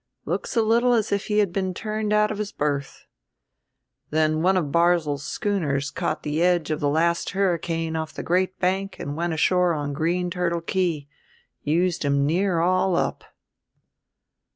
Looks a little as if he had been turned out of his berth. Then one of Barzil's schooners caught the edge of the last hurricane off the Great Bank and went ashore on Green Turtle Key. Used him near all up."